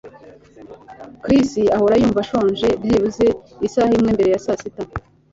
Chris ahora yumva ashonje byibuze isaha imwe mbere ya sasita